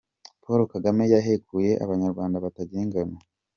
Paul Kagame yahekuye abanyarwanda batagira ingano.